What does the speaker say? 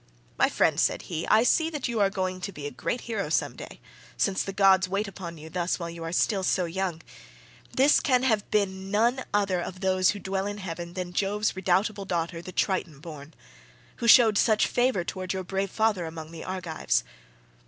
"My friend," said he, "I see that you are going to be a great hero some day, since the gods wait upon you thus while you are still so young. This can have been none other of those who dwell in heaven than Jove's redoubtable daughter, the Trito born, who shewed such favour towards your brave father among the Argives.